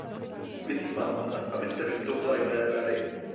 Vyzývám vás, abyste vystoupila jménem Rady.